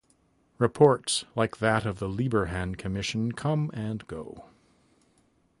Reports like that of the Liberhan Commission come and go.